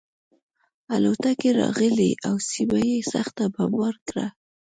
الوتکې راغلې او سیمه یې سخته بمبار کړه